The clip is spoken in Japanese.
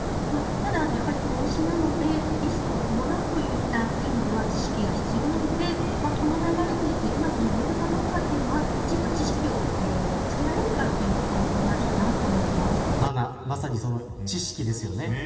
ただ投資なのでリスクを伴うといった意味では知識が必要なのでこの流れにうまく乗れるかどうかはきちんと知識をつけられるかというのがまさに、その知識ですよね。